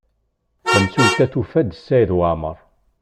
Tamsulta tufa-d Saɛid Waɛmaṛ.